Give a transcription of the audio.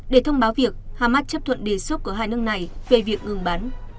để thông báo việc hamas chấp thuận đề xuất của hai nước này về việc ngừng bắn